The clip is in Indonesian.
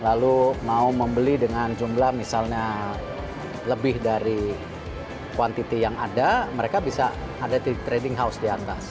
lalu mau membeli dengan jumlah misalnya lebih dari kuantiti yang ada mereka bisa ada trading house di atas